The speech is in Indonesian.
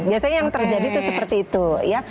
biasanya yang terjadi itu seperti itu ya